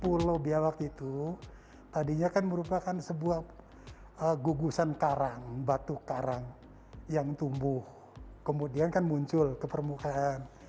pulau biawak itu tadinya kan merupakan sebuah gugusan karang batu karang yang tumbuh kemudian kan muncul ke permukaan